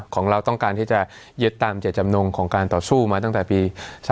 ของเราต้องการที่จะยึดตามเจตจำนงของการต่อสู้มาตั้งแต่ปี๓๔